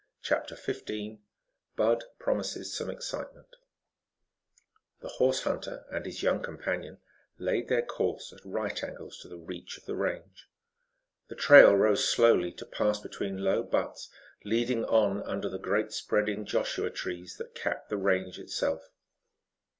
CHAPTER XV BUD PROMISES SOME EXCITEMENT The horse hunter and his young companion laid their course at right angles to the reach of the range. The trail rose slowly to pass between low buttes, leading on under the great spreading Joshua trees that capped the range itself.